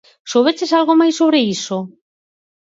Soubeches algo máis sobre iso?